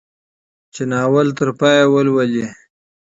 چې ناول تر پايه ولولي.